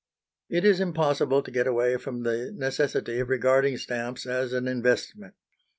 It is impossible to get away from the necessity of regarding stamps as an investment.